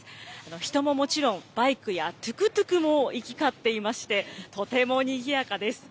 人ももちろん、バイクやトゥクトゥクも行き交っていまして、とてもにぎやかです。